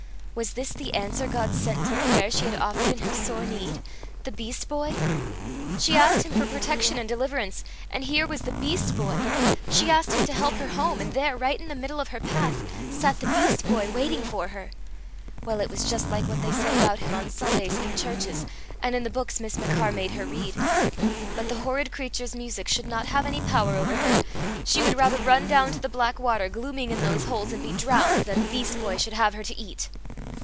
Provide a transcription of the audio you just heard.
Was this the answer God sent to the prayer she had offered in her sore need the beast boy? She asked him for protection and deliverance, and here was the beast boy! She asked him to help her home, and there, right in the middle of her path, sat the beast boy, waiting for her! Well, it was just like what they said about him on Sundays in the churches, and in the books Miss Machar made her read! But the horrid creature's music should not have any power over her! She would rather run down to the black water, glooming in those holes, and be drowned, than the beast boy should have her to eat!